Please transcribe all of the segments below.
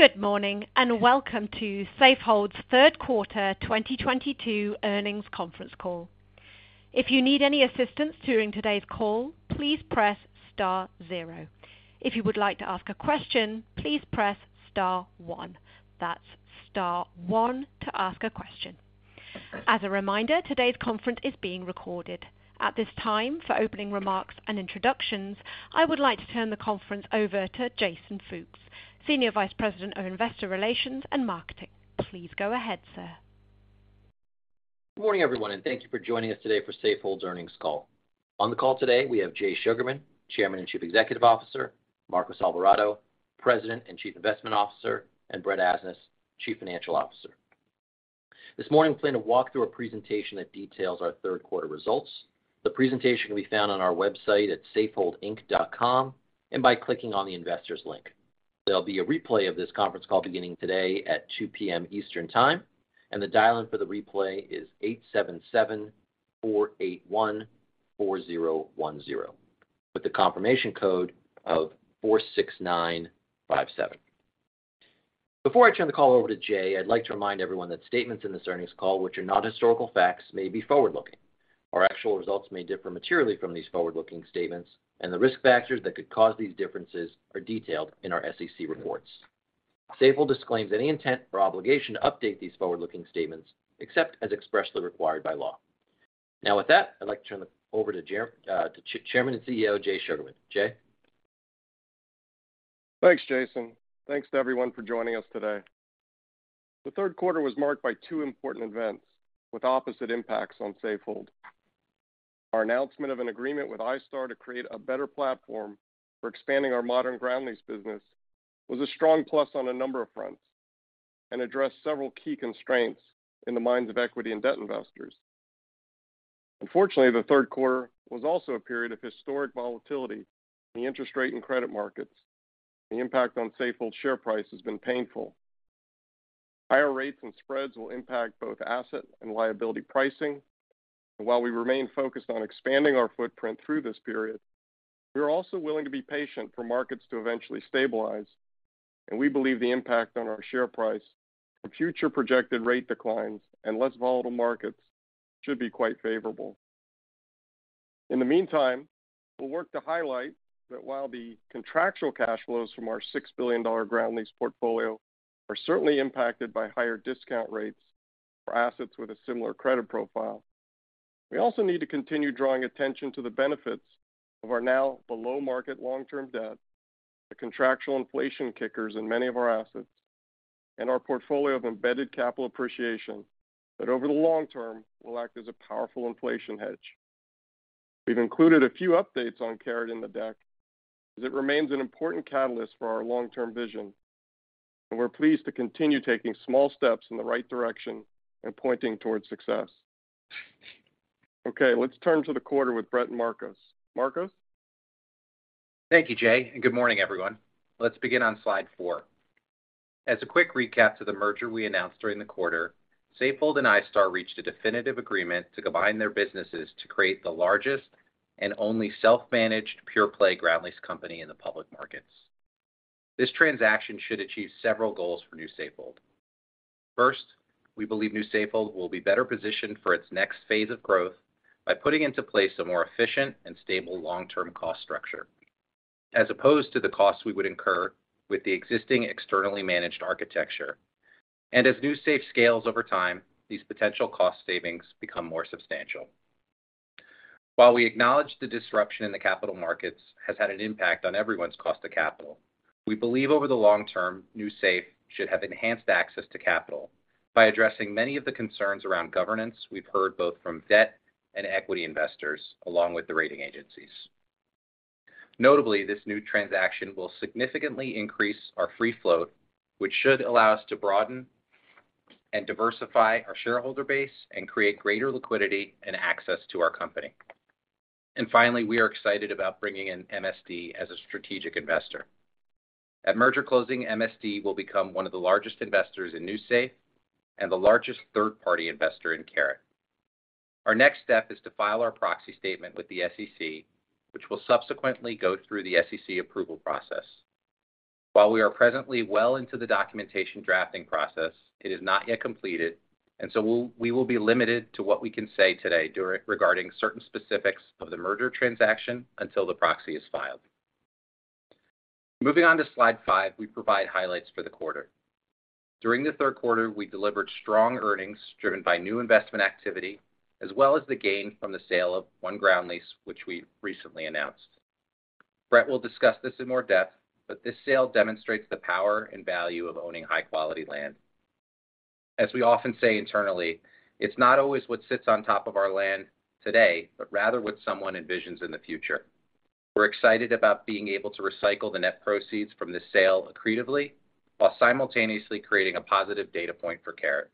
Good morning, and welcome to Safehold's Third Quarter 2022 Earnings Conference Call. If you need any assistance during today's call, please press star zero. If you would like to ask a question, please press star one. That's star one to ask a question. As a reminder, today's conference is being recorded. At this time, for opening remarks and introductions, I would like to turn the conference over to Jason Fooks, Senior Vice President of Investor Relations and Marketing. Please go ahead, sir. Good morning, everyone, and thank you for joining us today for Safehold's earnings call. On the call today we have Jay Sugarman, Chairman and Chief Executive Officer, Marcos Alvarado, President and Chief Investment Officer, and Brett Asnas, Chief Financial Officer. This morning, we plan to walk through a presentation that details our third quarter results. The presentation can be found on our website at safeholdinc.com and by clicking on the Investors link. There'll be a replay of this conference call beginning today at 2:00 P.M. Eastern Time, and the dial-in for the replay is 877-481-4010, with the confirmation code of 46957. Before I turn the call over to Jay, I'd like to remind everyone that statements in this earnings call which are not historical facts may be forward-looking. Our actual results may differ materially from these forward-looking statements, and the risk factors that could cause these differences are detailed in our SEC reports. Safehold disclaims any intent or obligation to update these forward-looking statements except as expressly required by law. Now with that, I'd like to turn over to Chairman and CEO, Jay Sugarman. Jay. Thanks, Jason. Thanks to everyone for joining us today. The third quarter was marked by two important events with opposite impacts on Safehold. Our announcement of an agreement with iStar to create a better platform for expanding our modern ground lease business was a strong plus on a number of fronts and addressed several key constraints in the minds of equity and debt investors. Unfortunately, the third quarter was also a period of historic volatility in the interest rate and credit markets. The impact on Safehold's share price has been painful. Higher rates and spreads will impact both asset and liability pricing. While we remain focused on expanding our footprint through this period, we are also willing to be patient for markets to eventually stabilize, and we believe the impact on our share price from future projected rate declines and less volatile markets should be quite favorable. In the meantime, we'll work to highlight that while the contractual cash flows from our $6 billion ground lease portfolio are certainly impacted by higher discount rates for assets with a similar credit profile. We also need to continue drawing attention to the benefits of our now below-market long-term debt, the contractual inflation kickers in many of our assets, and our portfolio of embedded capital appreciation that over the long term will act as a powerful inflation hedge. We've included a few updates on CARET in the deck, as it remains an important catalyst for our long-term vision, and we're pleased to continue taking small steps in the right direction and pointing towards success. Okay, let's turn to the quarter with Brett and Marcos. Marcos? Thank you, Jay, and good morning, everyone. Let's begin on slide four. As a quick recap to the merger we announced during the quarter, Safehold and iStar reached a definitive agreement to combine their businesses to create the largest and only self-managed pure-play ground lease company in the public markets. This transaction should achieve several goals for New Safehold. First, we believe New Safehold will be better positioned for its next phase of growth by putting into place a more efficient and stable long-term cost structure, as opposed to the costs we would incur with the existing externally managed architecture. As New Safe scales over time, these potential cost savings become more substantial. While we acknowledge the disruption in the capital markets has had an impact on everyone's cost of capital, we believe over the long term, New Safe should have enhanced access to capital by addressing many of the concerns around governance we've heard both from debt and equity investors, along with the rating agencies. Notably, this new transaction will significantly increase our free float, which should allow us to broaden and diversify our shareholder base and create greater liquidity and access to our company. Finally, we are excited about bringing in MSD as a strategic investor. At merger closing, MSD will become one of the largest investors in New Safe and the largest third-party investor in CARET. Our next step is to file our proxy statement with the SEC, which will subsequently go through the SEC approval process. While we are presently well into the documentation drafting process, it is not yet completed, and so we will be limited to what we can say today regarding certain specifics of the merger transaction until the proxy is filed. Moving on to slide five, we provide highlights for the quarter. During the third quarter, we delivered strong earnings driven by new investment activity, as well as the gain from the sale of one ground lease, which we recently announced. Brett will discuss this in more depth, but this sale demonstrates the power and value of owning high-quality land. As we often say internally, it's not always what sits on top of our land today, but rather what someone envisions in the future. We're excited about being able to recycle the net proceeds from this sale accretively while simultaneously creating a positive data point for CARET.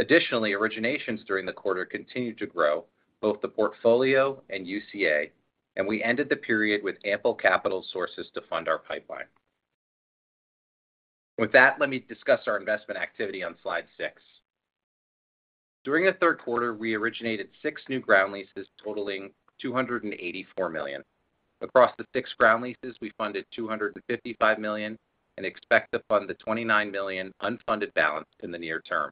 Additionally, originations during the quarter continued to grow, both the portfolio and UCA, and we ended the period with ample capital sources to fund our pipeline. With that, let me discuss our investment activity on slide six. During the third quarter, we originated six new ground leases totaling $284 million. Across the six ground leases, we funded $255 million and expect to fund the $29 million unfunded balance in the near term.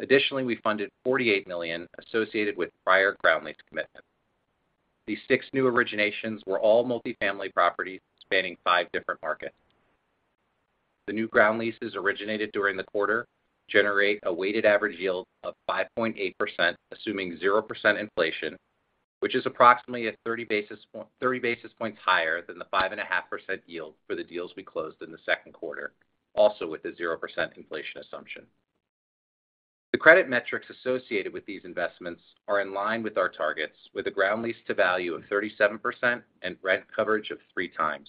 Additionally, we funded $48 million associated with prior ground lease commitments. These six new originations were all multi-family properties spanning five different markets. The new ground leases originated during the quarter generate a weighted average yield of 5.8% assuming 0% inflation, which is approximately 30 basis points higher than the 5.5% yield for the deals we closed in the second quarter, also with a 0% inflation assumption. The credit metrics associated with these investments are in line with our targets, with a ground lease to value of 37% and rent coverage of 3x.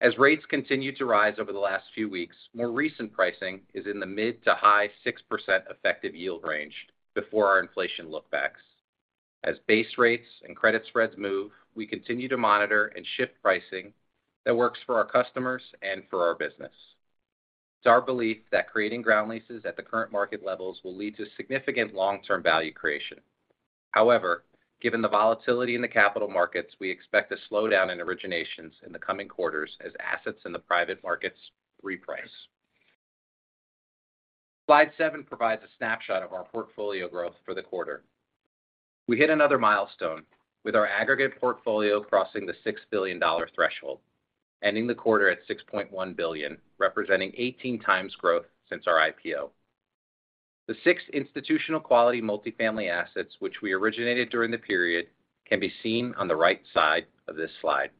As rates continued to rise over the last few weeks, more recent pricing is in the mid- to high-6% effective yield range before our inflation look-backs. As base rates and credit spreads move, we continue to monitor and shift pricing that works for our customers and for our business. It's our belief that creating ground leases at the current market levels will lead to significant long-term value creation. However, given the volatility in the capital markets, we expect to slow down in originations in the coming quarters as assets in the private markets reprice. Slide seven provides a snapshot of our portfolio growth for the quarter. We hit another milestone with our aggregate portfolio crossing the $6 billion threshold, ending the quarter at $6.1 billion, representing 18x growth since our IPO. The six institutional quality multifamily assets, which we originated during the period, can be seen on the right side of this slide.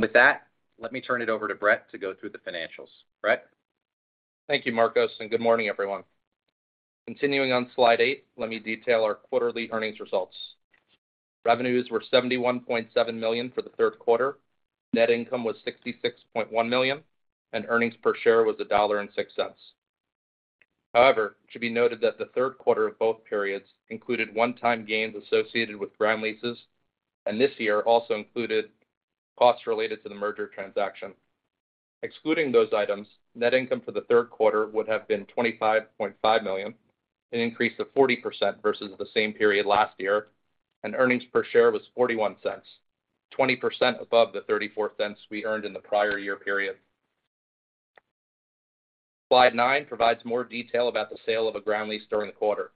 With that, let me turn it over to Brett to go through the financials. Brett? Thank you, Marcos, and good morning, everyone. Continuing on slide eight, let me detail our quarterly earnings results. Revenues were $71.7 million for the third quarter. Net income was $66.1 million, and earnings per share was $1.06. However, it should be noted that the third quarter of both periods included one-time gains associated with ground leases, and this year also included costs related to the merger transaction. Excluding those items, net income for the third quarter would have been $25.5 million, an increase of 40% versus the same period last year, and earnings per share was $0.41, 20% above the $0.34 we earned in the prior year period. Slide nine provides more detail about the sale of a ground lease during the quarter.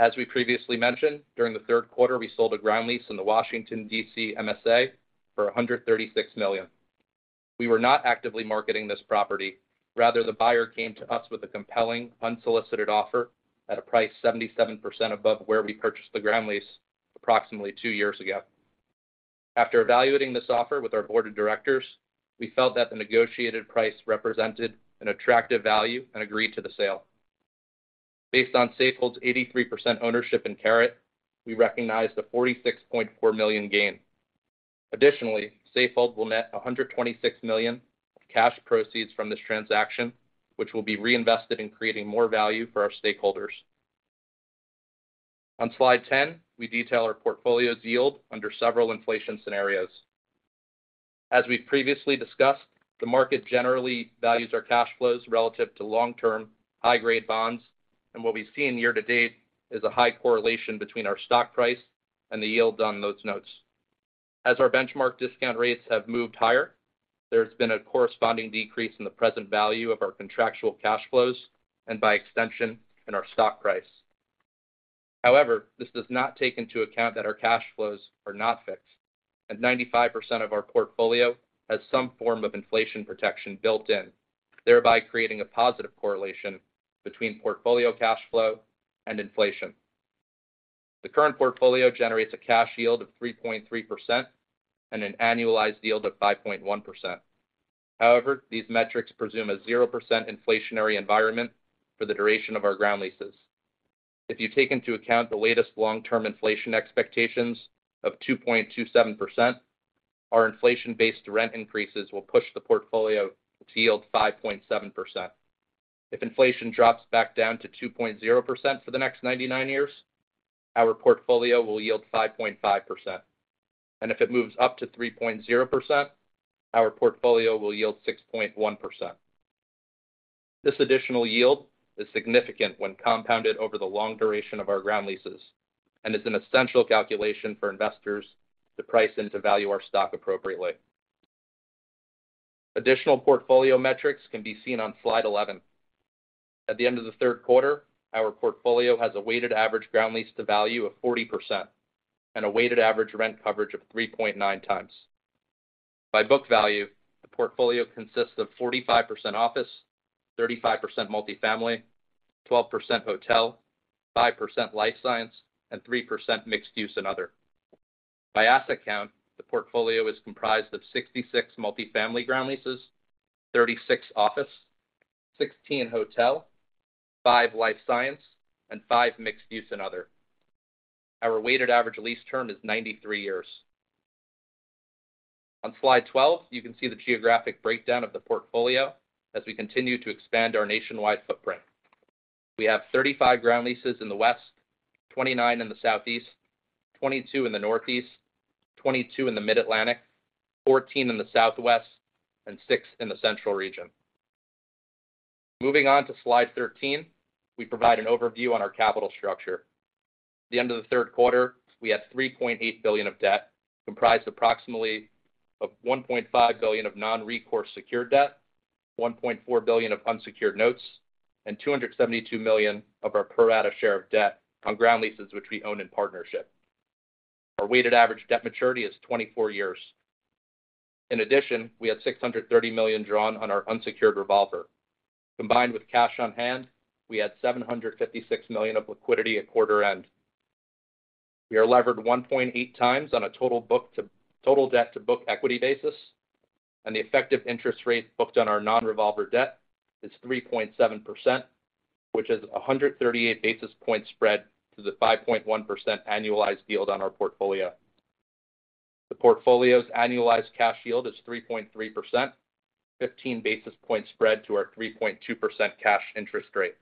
As we previously mentioned, during the third quarter, we sold a ground lease in the Washington, D.C. MSA for $136 million. We were not actively marketing this property. Rather, the buyer came to us with a compelling unsolicited offer at a price 77% above where we purchased the ground lease approximately two years ago. After evaluating this offer with our board of directors, we felt that the negotiated price represented an attractive value and agreed to the sale. Based on Safehold's 83% ownership in CARET, we recognized a $46.4 million gain. Additionally, Safehold will net $126 million of cash proceeds from this transaction, which will be reinvested in creating more value for our stakeholders. On slide 10, we detail our portfolio's yield under several inflation scenarios. As we've previously discussed, the market generally values our cash flows relative to long-term, high-grade bonds, and what we've seen year-to-date is a high correlation between our stock price and the yield on those notes. As our benchmark discount rates have moved higher, there's been a corresponding decrease in the present value of our contractual cash flows and by extension in our stock price. However, this does not take into account that our cash flows are not fixed, and 95% of our portfolio has some form of inflation protection built in, thereby creating a positive correlation between portfolio cash flow and inflation. The current portfolio generates a cash yield of 3.3% and an annualized yield of 5.1%. However, these metrics presume a 0% inflationary environment for the duration of our ground leases. If you take into account the latest long-term inflation expectations of 2.27%, our inflation-based rent increases will push the portfolio to yield 5.7%. If inflation drops back down to 2.0% for the next 99 years, our portfolio will yield 5.5%. If it moves up to 3.0%, our portfolio will yield 6.1%. This additional yield is significant when compounded over the long duration of our ground leases and is an essential calculation for investors to price and to value our stock appropriately. Additional portfolio metrics can be seen on slide 11. At the end of the third quarter, our portfolio has a weighted average ground lease to value of 40% and a weighted average rent coverage of 3.9x. By book value, the portfolio consists of 45% office, 35% multifamily, 12% hotel, 5% life science, and 3% mixed use and other. By asset count, the portfolio is comprised of 66 multifamily ground leases, 36 office, 16 hotel, five life science, and five mixed use and other. Our weighted average lease term is 93 years. On slide 12, you can see the geographic breakdown of the portfolio as we continue to expand our nationwide footprint. We have 35 ground leases in the West, 29 in the Southeast, 22 in the Northeast, 22 in the Mid-Atlantic, 14 in the Southwest, and six in the central region. Moving on to slide 13, we provide an overview on our capital structure. At the end of the third quarter, we had $3.8 billion of debt, comprised approximately of $1.5 billion of non-recourse secured debt, $1.4 billion of unsecured notes, and $272 million of our pro rata share of debt on ground leases which we own in partnership. Our weighted average debt maturity is 24 years. In addition, we had $630 million drawn on our unsecured revolver. Combined with cash on hand, we had $756 million of liquidity at quarter end. We are levered 1.8x on a total debt to book equity basis, and the effective interest rate booked on our non-revolver debt is 3.7%, which is a 138 basis point spread to the 5.1% annualized yield on our portfolio. The portfolio's annualized cash yield is 3.3%, 15 basis points spread to our 3.2% cash interest rate.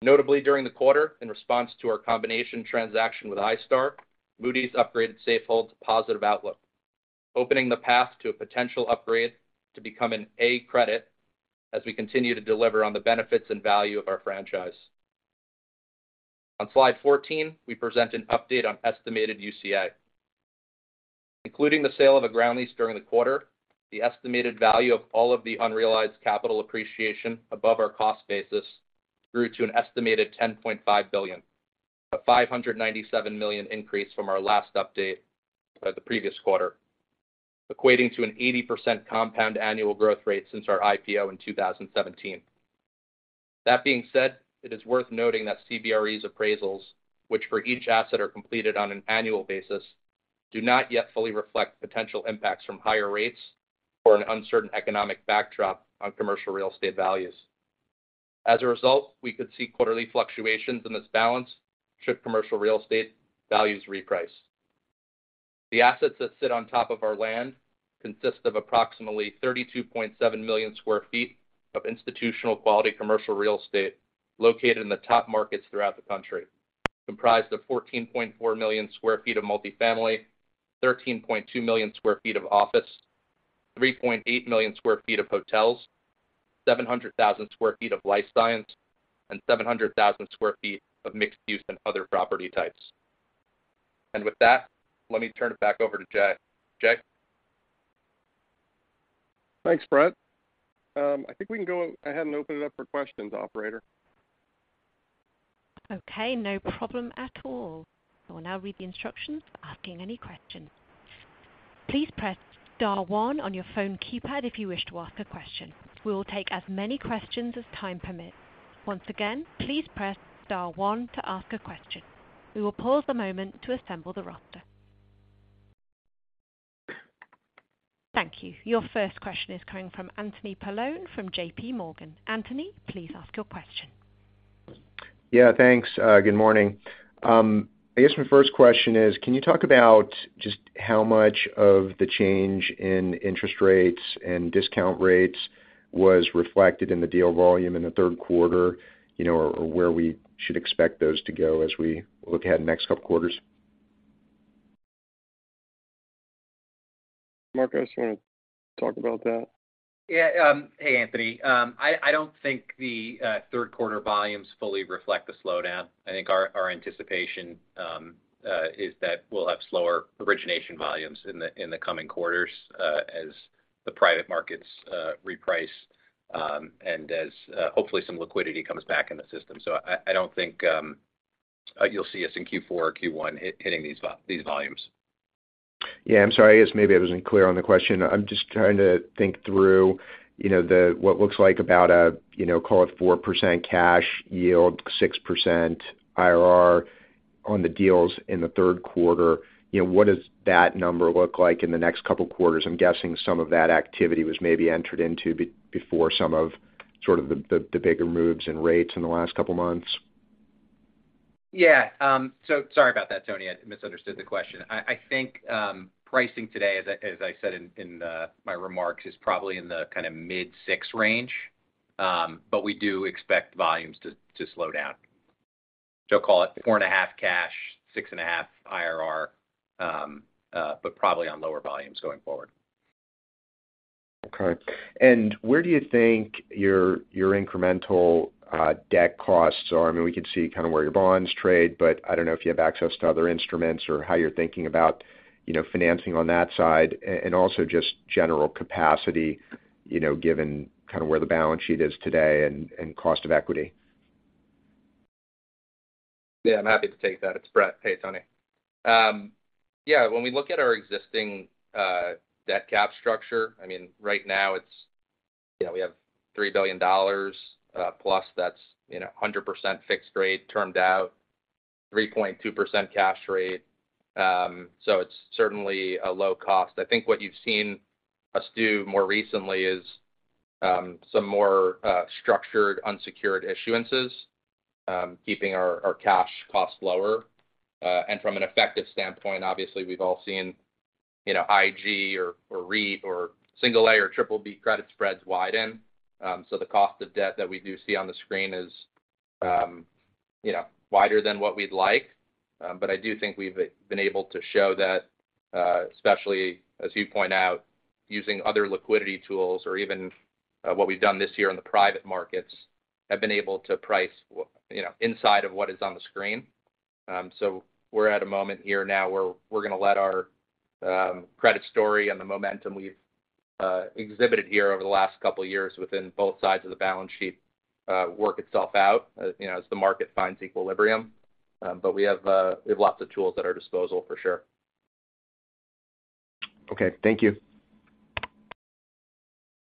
Notably, during the quarter, in response to our combination transaction with iStar, Moody's upgraded Safehold to positive outlook, opening the path to a potential upgrade to become an A credit as we continue to deliver on the benefits and value of our franchise. On slide 14, we present an update on estimated UCA. Including the sale of a ground lease during the quarter, the estimated value of all of the unrealized capital appreciation above our cost basis grew to an estimated $10.5 billion, a $597 million increase from our last update, the previous quarter, equating to an 80% compound annual growth rate since our IPO in 2017. That being said, it is worth noting that CBRE's appraisals, which for each asset are completed on an annual basis, do not yet fully reflect potential impacts from higher rates or an uncertain economic backdrop on commercial real estate values. As a result, we could see quarterly fluctuations in this balance should commercial real estate values reprice. The assets that sit on top of our land consist of approximately 32.7 million sq ft of institutional quality commercial real estate located in the top markets throughout the country, comprised of 14.4 million sq ft of multi-family, 13.2 million sq ft of office, 3.8 million sq ft of hotels, 700,000 sq ft of life science, and 700,000 sq ft of mixed use and other property types. With that, let me turn it back over to Jay. Jay? Thanks, Brett. I think we can go ahead and open it up for questions, operator. Okay, no problem at all. I will now read the instructions for asking any questions. Please press star one on your phone keypad if you wish to ask a question. We will take as many questions as time permits. Once again, please press star one to ask a question. We will pause a moment to assemble the roster. Thank you. Your first question is coming from Anthony Paolone from JPMorgan. Anthony, please ask your question. Yeah, thanks. Good morning. I guess my first question is, can you talk about just how much of the change in interest rates and discount rates was reflected in the deal volume in the third quarter? You know, or where we should expect those to go as we look ahead in the next couple quarters? Mark, just want to talk about that? Yeah. Hey, Anthony. I don't think the third quarter volumes fully reflect the slowdown. I think our anticipation is that we'll have slower origination volumes in the coming quarters, as the private markets reprice, and as hopefully some liquidity comes back in the system. I don't think you'll see us in Q4 or Q1 hitting these volumes. Yeah, I'm sorry. I guess maybe I wasn't clear on the question. I'm just trying to think through, you know, the what looks like about a, you know, call it 4% cash yield, 6% IRR on the deals in the third quarter. You know, what does that number look like in the next couple quarters? I'm guessing some of that activity was maybe entered into before some sort of the bigger moves in rates in the last couple months. Yeah. Sorry about that, Tony. I think pricing today, as I said in my remarks, is probably in the kinda mid-6% range. We do expect volumes to slow down. Call it 4.5% cash, 6.5% IRR, but probably on lower volumes going forward. Okay. Where do you think your incremental debt costs are? I mean, we could see kind of where your bonds trade, but I don't know if you have access to other instruments or how you're thinking about, you know, financing on that side, and also just general capacity, you know, given kind of where the balance sheet is today and cost of equity. Yeah, I'm happy to take that. It's Brett. Hey, Tony. Yeah, when we look at our existing debt cap structure, I mean, right now it's. You know, we have $3 billion plus that's 100% fixed rate termed out, 3.2% cash rate. So it's certainly a low cost. I think what you've seen us do more recently is some more structured unsecured issuances, keeping our cash costs lower. And from an effective standpoint, obviously, we've all seen. You know, IG or REIT or single A or BBB credit spreads widen. So the cost of debt that we do see on the screen is wider than what we'd like. I do think we've been able to show that, especially as you point out, using other liquidity tools or even what we've done this year in the private markets, have been able to price, you know, inside of what is on the screen. We're at a moment here now where we're gonna let our credit story and the momentum we've exhibited here over the last couple of years within both sides of the balance sheet work itself out, you know, as the market finds equilibrium. We have lots of tools at our disposal for sure. Okay, thank you.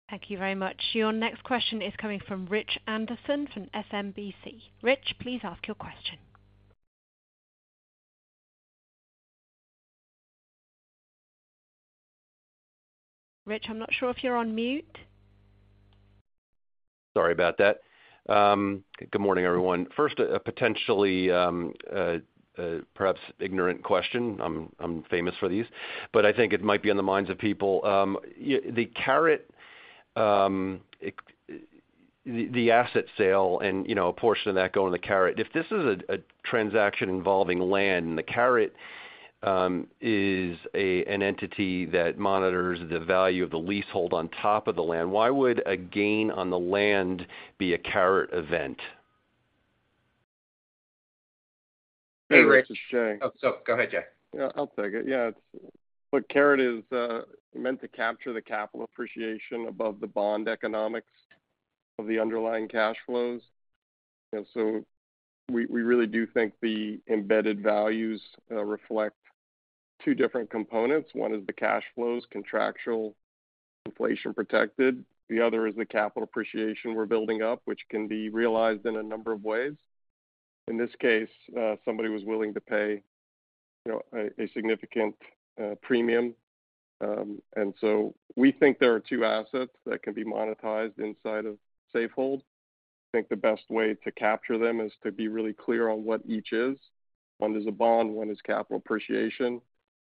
Thank you very much. Your next question is coming from Rich Anderson from SMBC. Rich, please ask your question. Rich, I'm not sure if you're on mute. Sorry about that. Good morning, everyone. First, a potentially, perhaps ignorant question. I'm famous for these, but I think it might be on the minds of people. The CARET, it. The asset sale and, you know, a portion of that going to CARET. If this is a transaction involving land, and the CARET is an entity that monitors the value of the leasehold on top of the land, why would a gain on the land be a CARET event? Hey, Rich. This is Jay. Oh, go ahead, Jay. Yeah, I'll take it. Look, CARET is meant to capture the capital appreciation above the bond economics of the underlying cash flows. We really do think the embedded values reflect two different components. One is the cash flows, contractual inflation protected. The other is the capital appreciation we're building up, which can be realized in a number of ways. In this case, somebody was willing to pay, you know, a significant premium. We think there are two assets that can be monetized inside of Safehold. I think the best way to capture them is to be really clear on what each is. One is a bond, one is capital appreciation.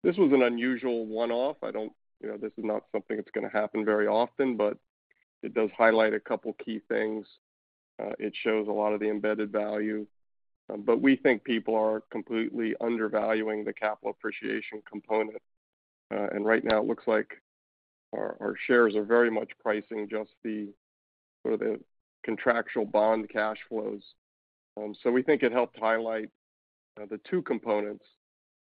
This was an unusual one-off. You know, this is not something that's gonna happen very often, but it does highlight a couple key things. It shows a lot of the embedded value. We think people are completely undervaluing the capital appreciation component. Right now it looks like our shares are very much pricing just the sort of the contractual bond cash flows. We think it helped highlight the two components.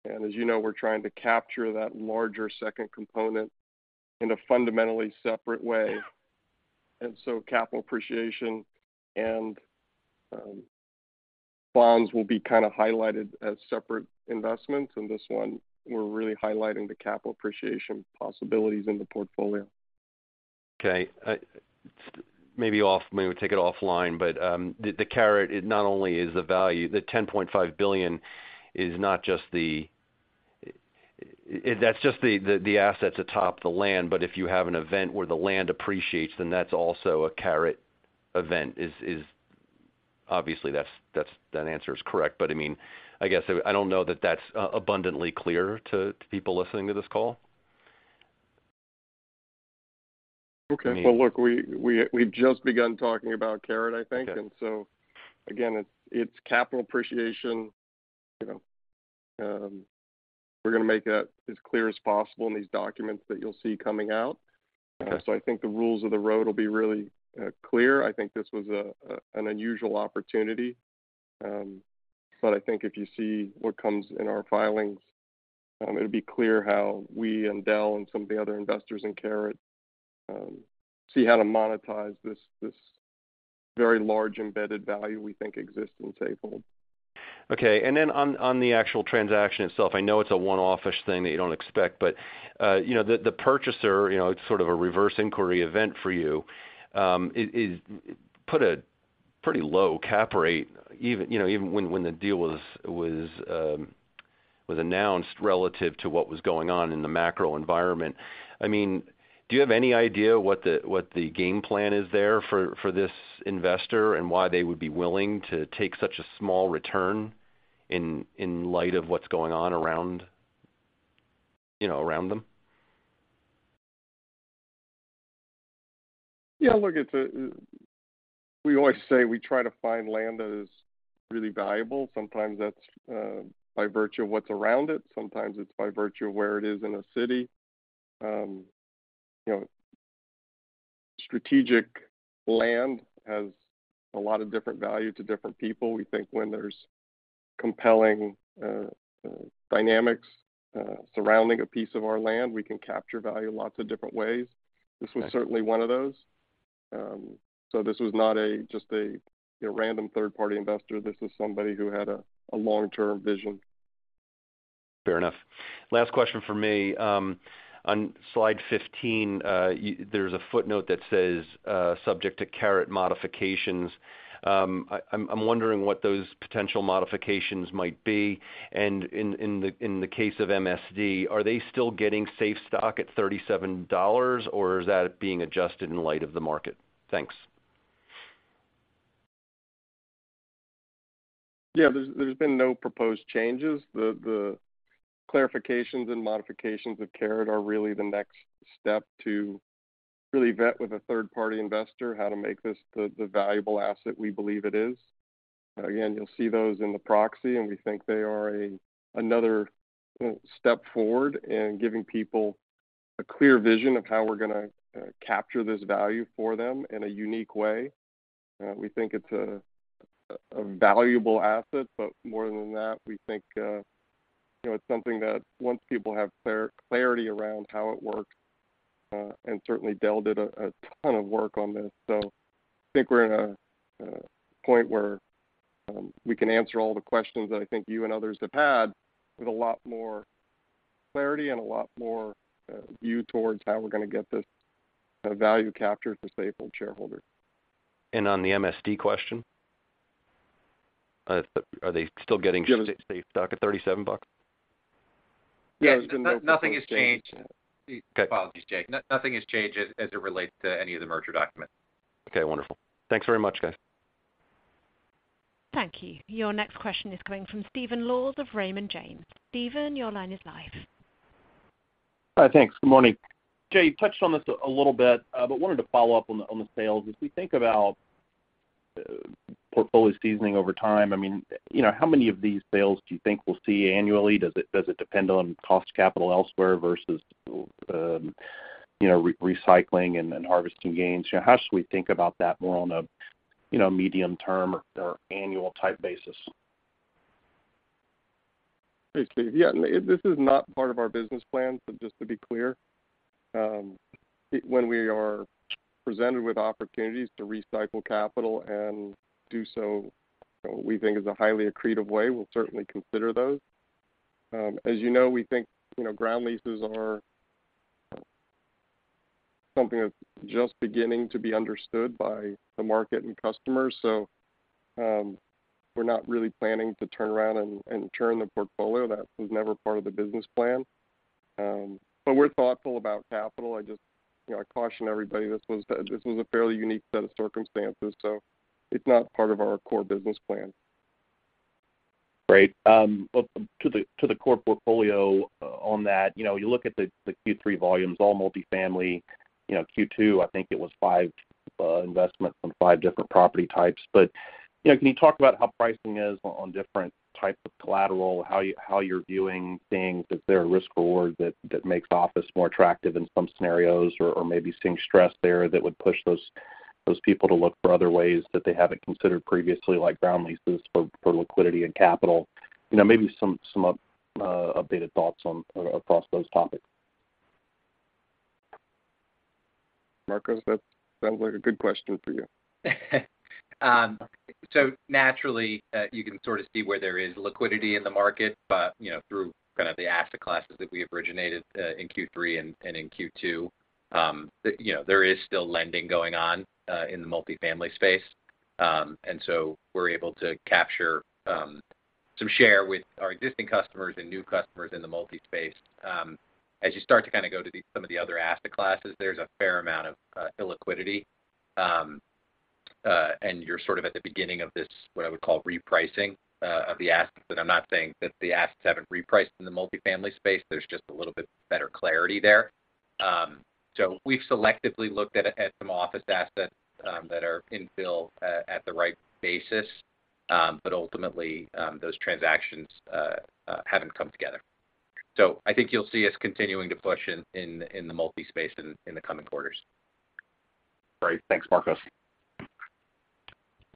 As you know, we're trying to capture that larger second component in a fundamentally separate way. Capital appreciation and bonds will be kind of highlighted as separate investments. In this one, we're really highlighting the capital appreciation possibilities in the portfolio. Okay. Maybe we'll take it offline, but the CARET not only is the value, the $10.5 billion is not just the. That's just the assets atop the land, but if you have an event where the land appreciates, then that's also a CARET event. Obviously, that's the answer is correct. I mean, I guess I don't know that that's abundantly clear to people listening to this call. Okay. Well, look, we've just begun talking about CARET, I think. Okay. Again, it's capital appreciation. You know, we're gonna make that as clear as possible in these documents that you'll see coming out. Okay. I think the rules of the road will be really clear. I think this was an unusual opportunity. I think if you see what comes in our filings, it'll be clear how we and Dell and some of the other investors in CARET see how to monetize this very large embedded value we think exists in Safehold. Okay. On the actual transaction itself, I know it's a one-off-ish thing that you don't expect, but you know, the purchaser, you know, it's sort of a reverse inquiry event for you, put a pretty low cap rate even, you know, even when the deal was announced relative to what was going on in the macro environment. I mean, do you have any idea what the game plan is there for this investor and why they would be willing to take such a small return in light of what's going on around, you know, around them? Yeah, look, it's. We always say we try to find land that is really valuable. Sometimes that's by virtue of what's around it. Sometimes it's by virtue of where it is in a city. You know, strategic land has a lot of different value to different people. We think when there's compelling dynamics surrounding a piece of our land, we can capture value in lots of different ways. Okay. This was certainly one of those. This was not just a, you know, random third-party investor. This was somebody who had a long-term vision. Fair enough. Last question from me. On slide 15, there's a footnote that says subject to CARET modifications. I'm wondering what those potential modifications might be. In the case of MSD, are they still getting SAFE stock at $37, or is that being adjusted in light of the market? Thanks. Yeah, there's been no proposed changes. The clarifications and modifications of CARET are really the next step to really vet with a third party investor how to make this the valuable asset we believe it is. Again, you'll see those in the proxy, and we think they are another, you know, step forward in giving people a clear vision of how we're gonna capture this value for them in a unique way. We think it's a valuable asset, but more than that, we think, you know, it's something that once people have clarity around how it works, and certainly Dell did a ton of work on this. I think we're in a point where we can answer all the questions I think you and others have had with a lot more clarity and a lot more view towards how we're gonna get this value captured to Safehold shareholders. On the MSD question. Are they still getting SAFE stock at $37? Yes. Nothing has changed. Okay. Apologies, Jake. Nothing has changed as it relates to any of the merger documents. Okay, wonderful. Thanks very much, guys. Thank you. Your next question is coming from Stephen Laws of Raymond James. Steven, your line is live. Hi. Thanks. Good morning. Jay, you touched on this a little bit, but wanted to follow up on the sales. As we think about portfolio seasoning over time, I mean, you know, how many of these sales do you think we'll see annually? Does it depend on cost of capital elsewhere versus you know, recycling and harvesting gains? You know, how should we think about that more on a you know, medium term or annual type basis? Hey, Steve. Yeah. This is not part of our business plan, so just to be clear. When we are presented with opportunities to recycle capital and do so what we think is a highly accretive way, we'll certainly consider those. As you know, we think, you know, ground leases are something that's just beginning to be understood by the market and customers. We're not really planning to turn around and churn the portfolio. That was never part of the business plan. We're thoughtful about capital. I just, you know, I caution everybody this was a fairly unique set of circumstances, so it's not part of our core business plan. Great. To the core portfolio on that, you know, you look at the Q3 volumes, all multifamily. You know, Q2, I think it was five investments from five different property types. You know, can you talk about how pricing is on different types of collateral, how you're viewing things? Is there a risk reward that makes office more attractive in some scenarios or maybe seeing stress there that would push those people to look for other ways that they haven't considered previously, like ground leases for liquidity and capital? You know, maybe some updated thoughts on across those topics. Marcos, that sounds like a good question for you. Naturally, you can sort of see where there is liquidity in the market, but, you know, through kind of the asset classes that we originated in Q3 and in Q2, you know, there is still lending going on in the multifamily space. We're able to capture some share with our existing customers and new customers in the multi space. As you start to kind of go to some of the other asset classes, there's a fair amount of illiquidity. You're sort of at the beginning of this, what I would call repricing of the assets. I'm not saying that the assets haven't repriced in the multifamily space. There's just a little bit better clarity there. We've selectively looked at some office assets that are infill at the right basis. Ultimately, those transactions haven't come together. I think you'll see us continuing to push in the multi space in the coming quarters. Great. Thanks, Marcos.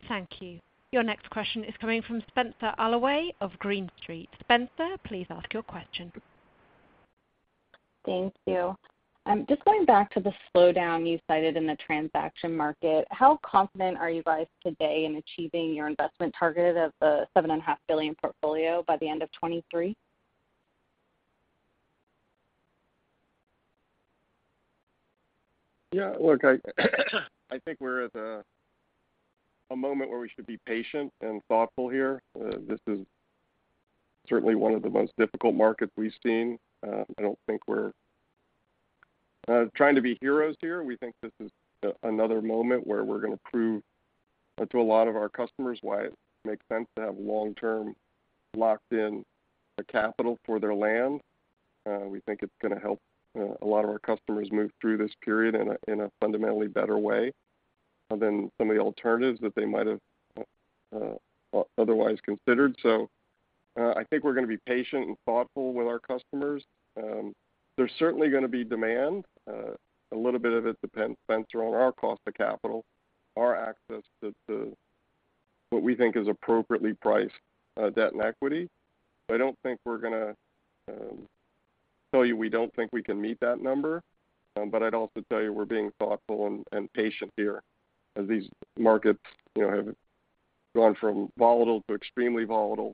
Thank you. Your next question is coming from Spenser Allaway of Green Street. Spencer, please ask your question. Thank you. Just going back to the slowdown you cited in the transaction market, how confident are you guys today in achieving your investment target of the $7.5 billion portfolio by the end of 2023? Yeah, look, I think we're at a moment where we should be patient and thoughtful here. This is certainly one of the most difficult markets we've seen. I don't think we're trying to be heroes here. We think this is another moment where we're gonna prove to a lot of our customers why it makes sense to have long-term locked in the capital for their land. We think it's gonna help a lot of our customers move through this period in a fundamentally better way than some of the alternatives that they might have otherwise considered. I think we're gonna be patient and thoughtful with our customers. There's certainly gonna be demand. A little bit of it depends around our cost of capital, our access to what we think is appropriately priced debt and equity. I don't think we're gonna tell you we don't think we can meet that number. I'd also tell you we're being thoughtful and patient here as these markets, you know, have gone from volatile to extremely volatile.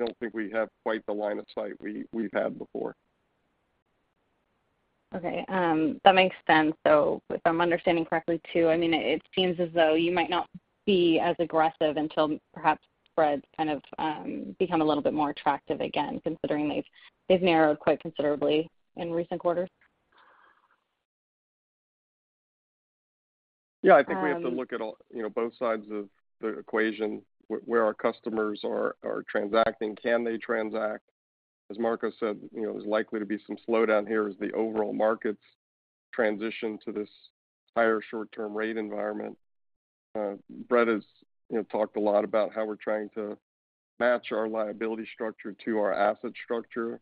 I don't think we have quite the line of sight we've had before. Okay. That makes sense. If I'm understanding correctly, too, I mean, it seems as though you might not be as aggressive until perhaps spreads kind of become a little bit more attractive again, considering they've narrowed quite considerably in recent quarters. Yeah, I think we have to look at all, you know, both sides of the equation, where our customers are transacting. Can they transact? As Marcos said, you know, there's likely to be some slowdown here as the overall markets transition to this higher short-term rate environment. Brett has, you know, talked a lot about how we're trying to match our liability structure to our asset structure.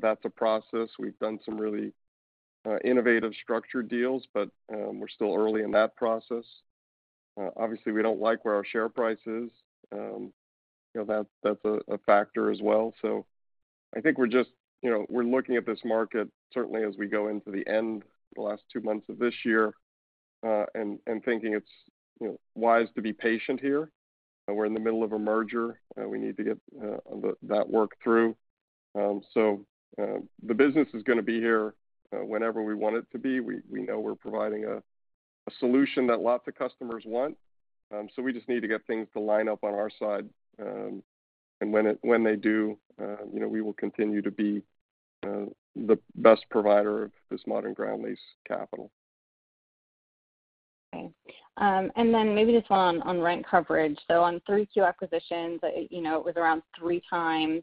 That's a process. We've done some really innovative structure deals, but we're still early in that process. Obviously, we don't like where our share price is. You know, that's a factor as well. I think we're just, you know, we're looking at this market certainly as we go into the end, the last two months of this year, and thinking it's, you know, wise to be patient here. We're in the middle of a merger. We need to get that work through. The business is gonna be here whenever we want it to be. We know we're providing a solution that lots of customers want, so we just need to get things to line up on our side. When they do, you know, we will continue to be the best provider of this modern ground lease capital. Maybe just one on rent coverage. On 3Q acquisitions, you know, it was around 3 times,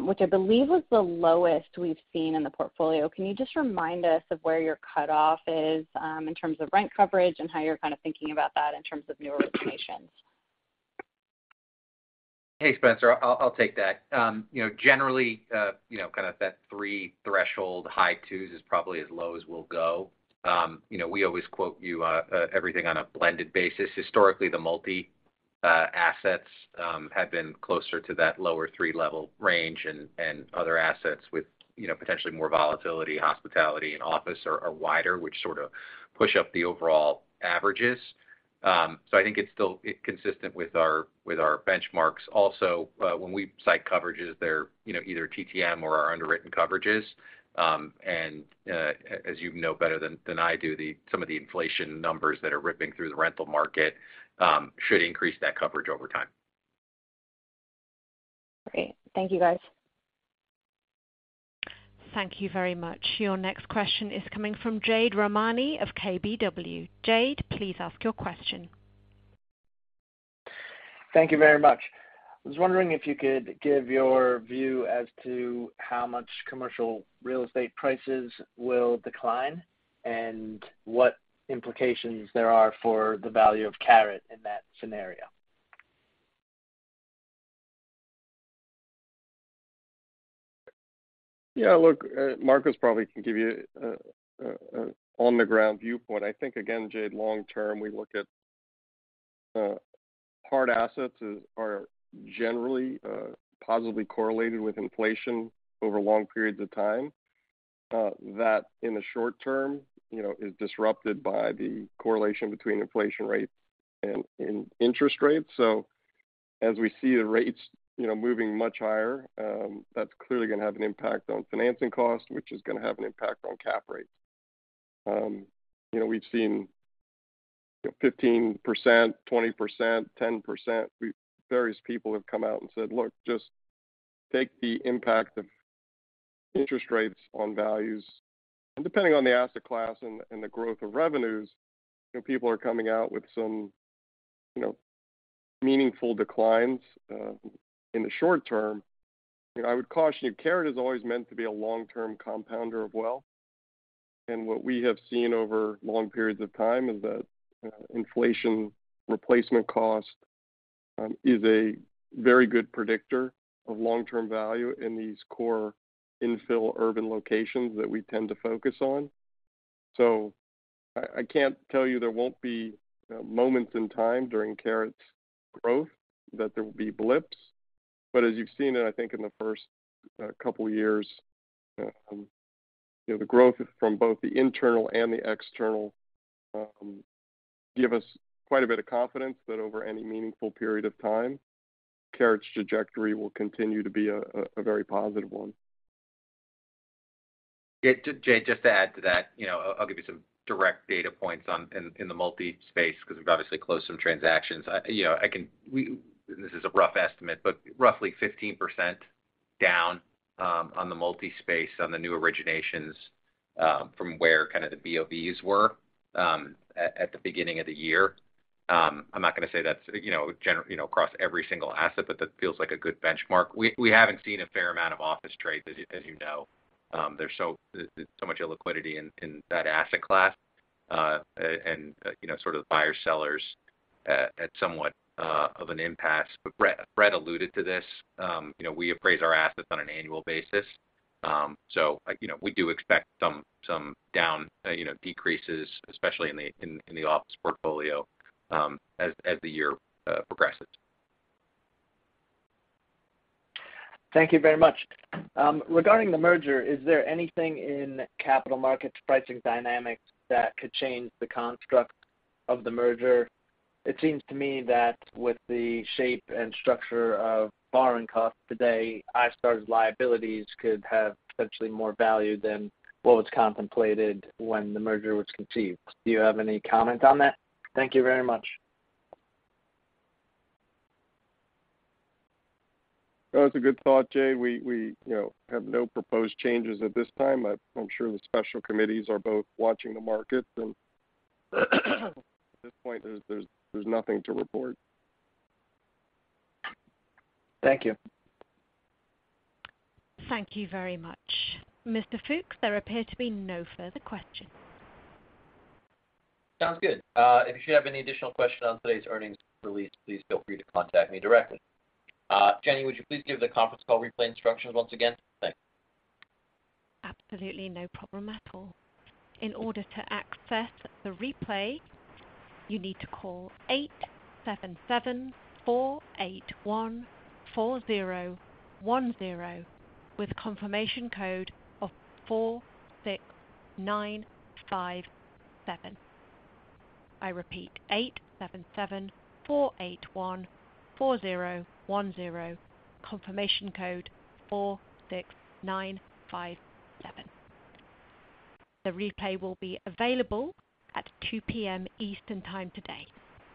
which I believe was the lowest we've seen in the portfolio. Can you just remind us of where your cutoff is, in terms of rent coverage and how you're kind of thinking about that in terms of newer originations? Hey, Spencer. I'll take that. You know, generally, you know, kind of that three threshold high two's is probably as low as we'll go. You know, we always quote you everything on a blended basis. Historically, the multi assets have been closer to that lower three-level range. Other assets with, you know, potentially more volatility, hospitality, and office are wider, which sort of push up the overall averages. So I think it's still consistent with our benchmarks. Also, when we cite coverages, they're either TTM or our underwritten coverages. As you know better than I do, some of the inflation numbers that are ripping through the rental market should increase that coverage over time. Great. Thank you, guys. Thank you very much. Your next question is coming from Jade Rahmani of KBW. Jade, please ask your question. Thank you very much. I was wondering if you could give your view as to how much commercial real estate prices will decline and what implications there are for the value of CARET in that scenario. Yeah, look, Marcos probably can give you a on-the-ground viewpoint. I think, again, Jade, long term, we look at hard assets as are generally positively correlated with inflation over long periods of time. That in the short term, you know, is disrupted by the correlation between inflation rates and interest rates. So as we see the rates, you know, moving much higher, that's clearly gonna have an impact on financing costs, which is gonna have an impact on cap rates. You know, we've seen 15%, 20%, 10%. Various people have come out and said, "Look, just take the impact of interest rates on values." Depending on the asset class and the growth of revenues, you know, people are coming out with some meaningful declines in the short term. You know, I would caution you, CARET is always meant to be a long-term compounder of wealth. What we have seen over long periods of time is that inflation replacement cost is a very good predictor of long-term value in these core infill urban locations that we tend to focus on. I can't tell you there won't be moments in time during CARET's growth that there will be blips. As you've seen it, I think in the first couple years, you know, the growth from both the internal and the external give us quite a bit of confidence that over any meaningful period of time, CARET's trajectory will continue to be a very positive one. Yeah. Jade, just to add to that, you know, I'll give you some direct data points on in the multi space 'cause we've obviously closed some transactions. This is a rough estimate, but roughly 15% down on the multi space on the new originations from where kind of the BOVs were at the beginning of the year. I'm not gonna say that's, you know, across every single asset, but that feels like a good benchmark. We haven't seen a fair amount of office trade, as you know. There's so much illiquidity in that asset class. You know, sort of buyers, sellers at somewhat of an impasse. Brett alluded to this. You know, we appraise our assets on an annual basis. You know, we do expect some down decreases, especially in the office portfolio, as the year progresses. Thank you very much. Regarding the merger, is there anything in capital markets pricing dynamics that could change the construct of the merger? It seems to me that with the shape and structure of borrowing costs today, iStar's liabilities could have potentially more value than what was contemplated when the merger was conceived. Do you have any comment on that? Thank you very much. That's a good thought, Jade. We you know have no proposed changes at this time. I'm sure the special committees are both watching the markets. At this point, there's nothing to report. Thank you. Thank you very much. Mr. Fooks, there appear to be no further questions. Sounds good. If you have any additional questions on today's earnings release, please feel free to contact me directly. Jenny, would you please give the conference call replay instructions once again? Thanks. Absolutely, no problem at all. In order to access the replay, you need to call 877-481-4010 with confirmation code of 46957. I repeat: 877-481-4010, confirmation code 46957. The replay will be available at 2:00 P.M. Eastern Time today.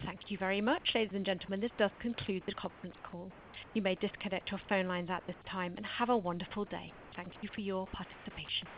Thank you very much, ladies and gentlemen. This does conclude the conference call. You may disconnect your phone lines at this time, and have a wonderful day. Thank you for your participation.